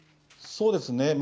そうですね。